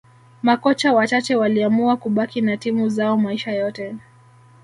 makocha wachache waliamua kubaki na timu zao maisha yote